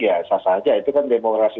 ya sah sah aja itu kan demokrasi